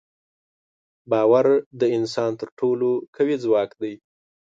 باور د انسان تر ټولو قوي ځواک دی.